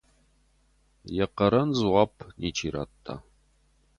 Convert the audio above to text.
Йӕ хъӕрӕн дзуапп ничи ратта.